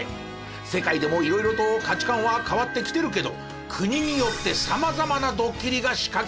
世界でも色々と価値観は変わってきてるけど国によって様々なドッキリが仕掛けられています。